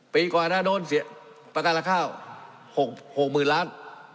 ปีกว่าหน้าน้อยเสียประกันราคาข้าวหกหกหมื่นล้าน